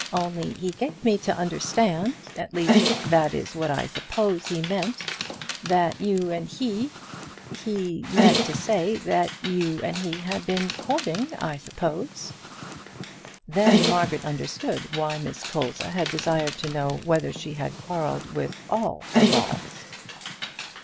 Only he gave me to understand at least, that is what I suppose he meant that you and he He meant to say, that you and he had been courting, I suppose." Then Margaret understood why Miss Colza had desired to know whether she had quarrelled with all the Balls.